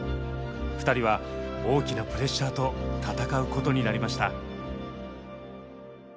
２人は大きなプレッシャーと戦うことになりました。